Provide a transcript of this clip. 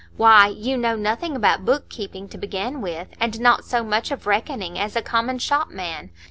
Why, you know nothing about book keeping, to begin with, and not so much of reckoning as a common shopman.